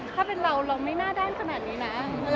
ถ้าเป็นเราเราไม่หน้าด้านขนาดนี้นะ